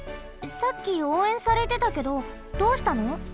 さっきおうえんされてたけどどうしたの？